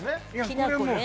きな粉ね